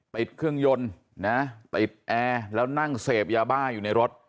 ติดเครื่องยนต์นะติดแอร์แล้วนั่งเสพยาบ้าอยู่ในรถ